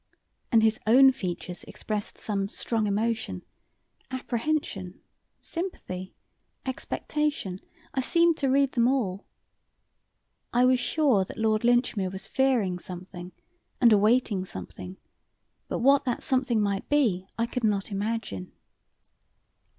And his own features expressed some strong emotion, apprehension, sympathy, expectation: I seemed to read them all. I was sure that Lord Linchmere was fearing something and awaiting something, but what that something might be I could not imagine.